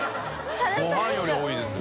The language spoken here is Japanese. ごはんより多いですよ。